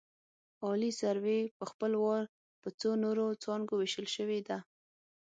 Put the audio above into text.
عالي سروې په خپل وار په څو نورو څانګو ویشل شوې ده